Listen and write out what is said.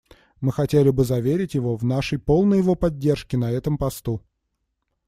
Мы хотели бы заверить его в нашей полной его поддержке на этом посту.